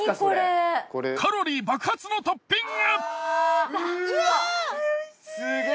カロリー爆発のトッピング！